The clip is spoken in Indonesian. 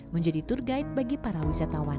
menjadi tour guide bagi para wisatawan